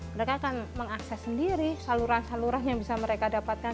mereka akan mengakses sendiri saluran saluran yang bisa mereka dapatkan